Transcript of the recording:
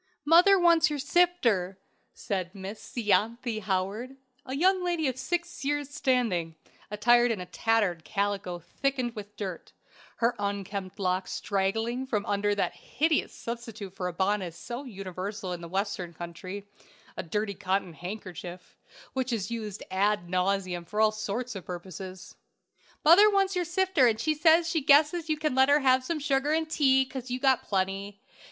"'Mother wants your sifter,' said Miss Ianthe Howard, a young lady of six years' standing, attired in a tattered calico thickened with dirt; her unkempt locks straggling from under that hideous substitute for a bonnet so universal in the Western country a dirty cotton handkerchief which is used ad nauseam for all sorts of purposes. "'Mother wants your sifter, and she says she guesses you can let her have some sugar and tea, 'cause you've got plenty.'